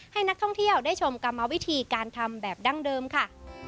ให้นักท่องเที่ยวได้ชมกรรมวิธีการทำแบบดั้งเดิมค่ะ